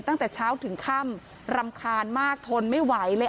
ตั้งแต่เช้าถึงค่ำรำคาญมากทนไม่ไหวเลย